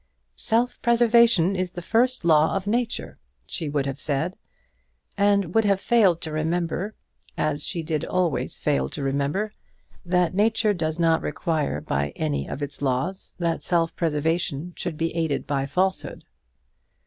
"Self preservation is the first law of nature," she would have said; and would have failed to remember, as she did always fail to remember, that nature does not require by any of its laws that self preservation should be aided by falsehood.